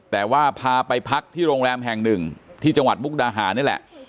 แต่ว่าพาไปพักที่โรงแรมแห่งหนึ่งที่จังหวัดมุกดาหารนี่แหละ